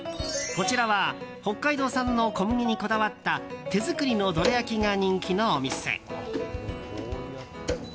こちらは北海道産の小麦にこだわった手作りのどら焼きが人気のお店。